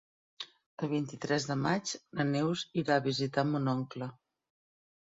El vint-i-tres de maig na Neus irà a visitar mon oncle.